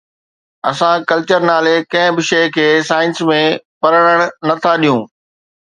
اسان ڪلچر نالي ڪنهن به شيءِ کي سائنس ۾ پرڻڻ نٿا ڏيون.